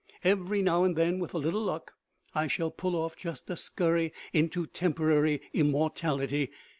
Every now and then, with a little luck, I shall pull off just such a scurry into temporary immortality.